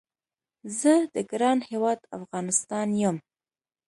زه د ګران هیواد افغانستان یم